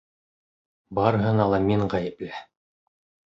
Барыһына ла мин ғәйепле!